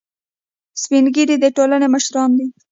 سپین ږیری د ټولنې مشران دي